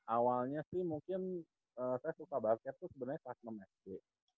awalnya sih mungkin saya suka basket tuh sebenarnya pas enam s tuh